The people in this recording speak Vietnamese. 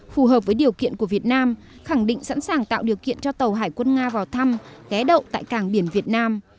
phù hợp với điều kiện của việt nam khẳng định sẵn sàng tạo điều kiện cho tàu hải quân nga vào thăm ghé đậu tại cảng biển việt nam